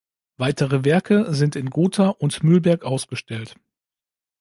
Weitere Werke sind in Gotha und Mühlberg ausgestellt.